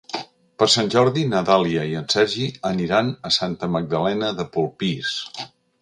Per Sant Jordi na Dàlia i en Sergi aniran a Santa Magdalena de Polpís.